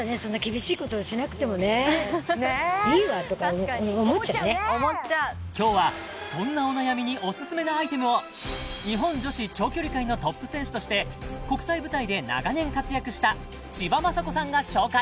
街の人にも悩みを聞いてみると今日はそんなお悩みにオススメなアイテムを日本女子長距離界のトップ選手として国際舞台で長年活躍した千葉真子さんが紹介